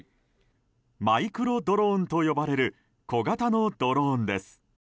マイクロドローンと呼ばれる小型のドローンです。